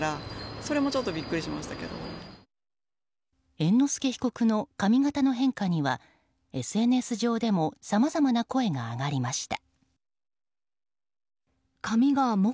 猿之助被告の髪形の変化にはＳＮＳ上でもさまざまな声が上がりました。